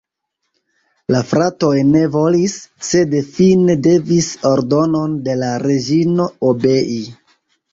La fratoj ne volis, sed fine devis ordonon de la reĝino obei.